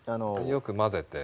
よく混ぜて。